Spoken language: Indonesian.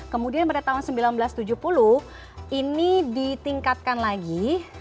kemudian pada tahun seribu sembilan ratus tujuh puluh ini ditingkatkan lagi